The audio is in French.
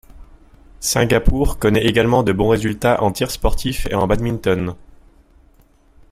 Singapour connaît également de bons résultats en tir sportif et en badminton.